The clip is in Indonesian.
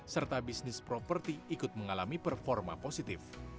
serta bisnis properti ikut mengalami performa positif